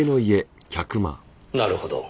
なるほど。